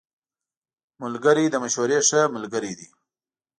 ملګری د مشورې ښه ملګری دی